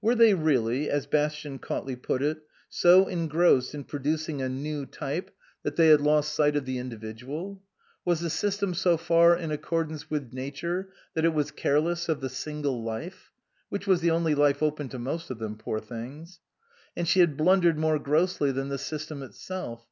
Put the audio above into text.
Were they really, as Bastian Cautley put it, so engrossed in producing a new type that 291 SUPERSEDED they had lost sight of the individual ? Was the system so far in accordance with Nature that it was careless of the single life? Which was the only life open to most of them, poor things. And she had blundered more grossly than the system itself.